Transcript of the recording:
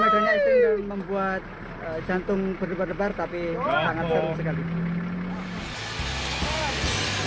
medannya ekstrim yang membuat jantung berdebar debar tapi sangat seru sekali